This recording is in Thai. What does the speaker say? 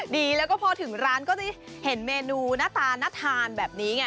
ดีแล้วก็พอถึงร้านก็จะเห็นเมนูหน้าตาน่าทานแบบนี้ไง